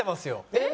えっ？